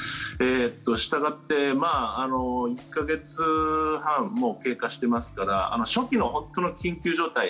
したがって、１か月半もう経過していますから初期の、本当の緊急状態